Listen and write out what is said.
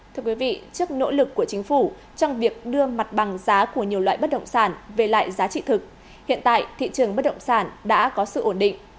thưa quý vị trước nỗ lực của chính phủ trong việc đưa mặt bằng giá của nhiều loại bất động sản về lại giá trị thực hiện tại thị trường bất động sản đã có sự ổn định